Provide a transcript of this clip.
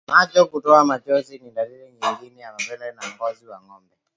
Macho kutoa machozi ni dalili nyingine ya mapele ya ngozi kwa ngombe